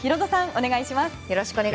お願いします。